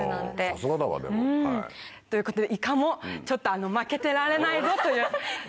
さすがだわでも。ということでいかも負けてられないぞという。